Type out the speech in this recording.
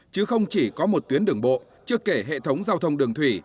chứ không chỉ có một tuyến đường bộ chưa kể hệ thống giao thông đường thủy